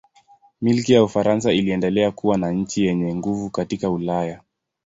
Milki ya Ufaransa iliendelea kuwa nchi yenye nguvu katika Ulaya.